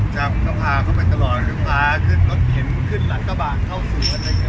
จากเขาพาเขาไปตลอดลุงพาขึ้นรถเข็มขึ้นหลักตะบ่างเข้าสวนอะไรแบบนี้